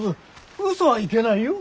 うそはいけないよ。